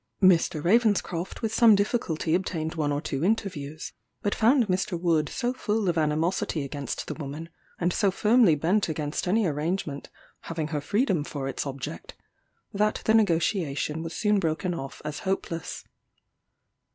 Mr. Ravenscroft with some difficulty obtained one or two interviews, but found Mr. Wood so full of animosity against the woman, and so firmly bent against any arrangement having her freedom for its object, that the negotiation was soon broken off as hopeless.